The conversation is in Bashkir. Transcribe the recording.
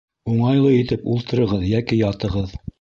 Уңайлы итеп ултырығыҙ йәки ятығыҙ.